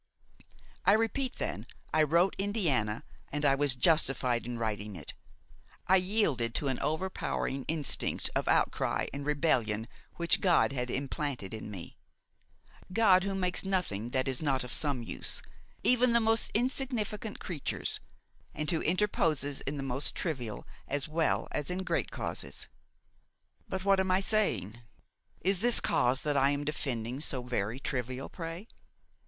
I repeat then, I wrote Indiana, and I was justified in writing it; I yielded to an overpowering instinct of outcry and rebellion which God had implanted in me, God who makes nothing that is not of some use, even the most insignificant creatures, and who interposes in the most trivial as well as in great causes. But what am I saying? is this cause that I am defending so very trivial, pray?